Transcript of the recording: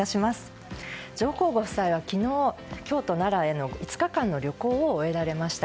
上皇ご夫妻は昨日京都、奈良への５日間の旅行を終えられました。